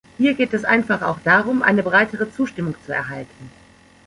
Hier geht es einfach auch darum, eine breitere Zustimmung zu erhalten.